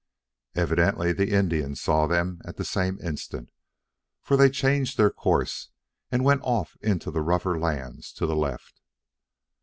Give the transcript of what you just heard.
Evidently the Indians saw them at the same instant, for they changed their course and went off into the rougher lands to the left.